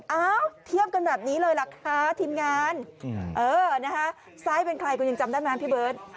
เอ้าเทียบกันแบบนี้เลยล่ะคะทีมงานซ้ายเป็นใครคุณยังจำได้ไหมพี่เบิร์ต